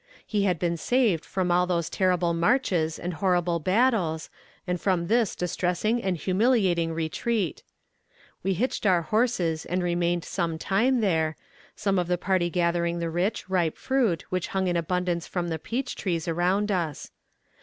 He had been saved from all those terrible marches and horrible battles, and from this distressing and humiliating retreat. We hitched our horses and remained some time there, some of the party gathering the rich, ripe fruit, which hung in abundance from the peach trees around us.